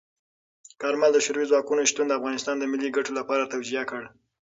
کارمل د شوروي ځواکونو شتون د افغانستان د ملي ګټو لپاره توجیه کړ.